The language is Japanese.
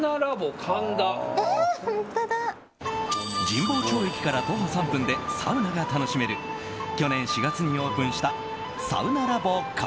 神保町駅から徒歩３分でサウナが楽しめる去年４月にオープンしたＳａｕｎａＬａｂＫａｎｄａ。